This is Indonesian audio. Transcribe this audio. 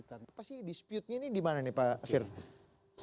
apa sih disputnya ini dimana nih pak firdaus